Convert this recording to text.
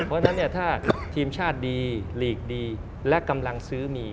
เพราะฉะนั้นเนี่ยถ้าทีมชาติดีลีกดีและกำลังซื้อมี